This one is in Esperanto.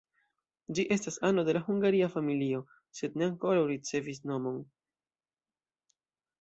Ĝi estas ano de la hungaria familio, sed ne ankoraŭ ricevis nomon.